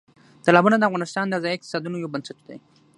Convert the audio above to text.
تالابونه د افغانستان د ځایي اقتصادونو یو بنسټ دی.